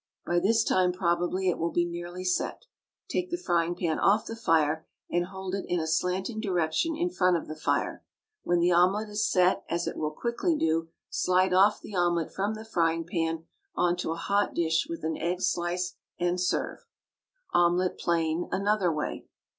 By this time, probably, it will be nearly set. Take the frying pan off the fire, and hold it in a slanting direction in front of the fire. When the whole is set, as it will quickly do, slide off the omelet from the frying pan on to a hot dish with an egg slice, and serve. OMELET, PLAIN (ANOTHER WAY).